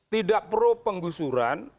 tidak pro penggusuran